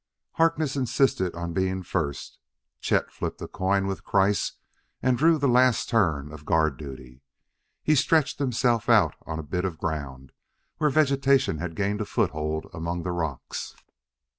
Harkness insisted upon being first. Chet flipped a coin with Kreiss and drew the last turn of guard duty. He stretched himself out on a bit of ground where vegetation had gained a foothold among the rocks.